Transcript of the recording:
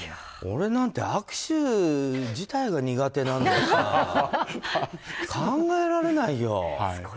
俺なんて握手自体が苦手だからさ、考えられないよ。